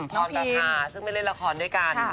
น้องพิมซึ่งไม่เล่นละครด้วยกัน